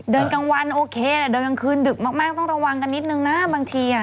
กลางวันโอเคเดินกลางคืนดึกมากต้องระวังกันนิดนึงนะบางที